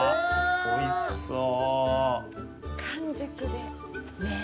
おいしそう！